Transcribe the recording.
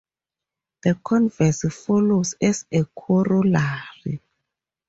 The converse follows as a corollary.